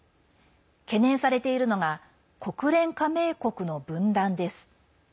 懸念されているのが国連加盟国の分断です。